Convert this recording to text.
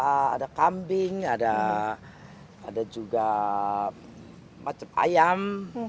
ada bebek ada kambing ada juga macam ayam